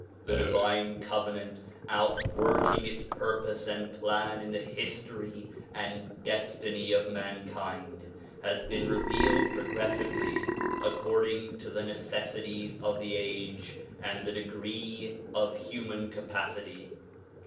The divine Covenant outworking its purpose and plan in the history and destiny of mankind has been revealed progressively according to the necessities of the age and the degree of human capacity.